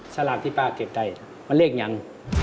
สลากที่ป้าเก็บได้มันเลขยัง